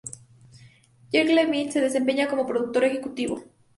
Jackie Levine se desempeña como co-productor ejecutivo.